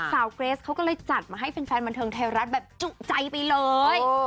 เกรสเขาก็เลยจัดมาให้แฟนบันเทิงไทยรัฐแบบจุใจไปเลย